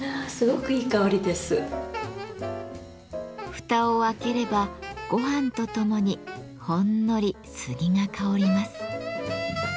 蓋を開ければごはんとともにほんのり杉が香ります。